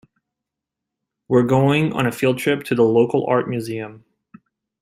We're going on a field trip to the local art museum.